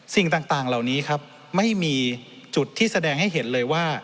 สิ่งต่างเหล่านี้ครับไม่มีจุดที่แสดงให้เห็นเลยว่า